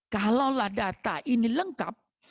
kalaulah data ini lengkap